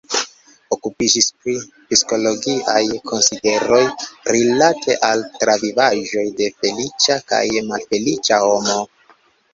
Okupiĝis pri psikologiaj konsideroj rilate al travivaĵoj de feliĉa kaj malfeliĉa homo.